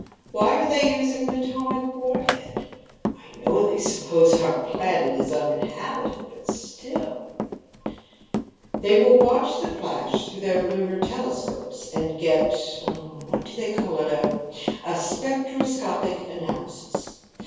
Why are they using an atomic warhead? I know they suppose our planet is uninhabited, but still " "They will watch the flash through their lunar telescopes and get a what do they call it? a spectroscopic analysis.